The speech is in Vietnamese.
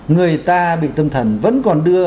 người ta bị tâm thần vẫn còn đưa